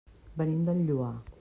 Venim del Lloar.